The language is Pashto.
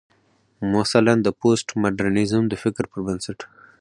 مثلا: د پوسټ ماډرنيزم د فکر پر بنسټ